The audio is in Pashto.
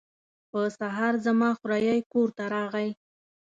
په سهار زما خوریی کور ته راغی.